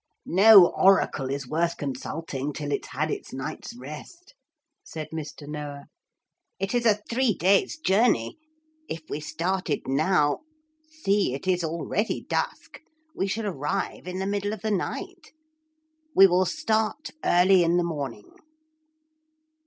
'No oracle is worth consulting till it's had its night's rest,' said Mr. Noah. 'It is a three days' journey. If we started now see it is already dusk we should arrive in the middle of the night. We will start early in the morning.'